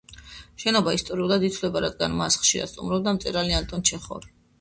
შენობა ისტორიულად ითვლება, რადგან მას ხშირად სტუმრობდა მწერალი ანტონ ჩეხოვი.